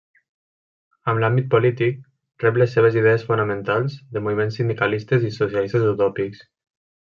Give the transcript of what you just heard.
En l'àmbit polític rep les seves idees fonamentals de moviments sindicalistes i socialistes utòpics.